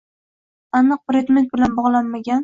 – aniq predmet bilan bog‘lanmagan.